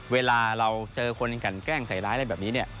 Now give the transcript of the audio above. เวลาเราเจอคนกันแกล้งใส่ร้ายอะไรแบบนี้เนี่ย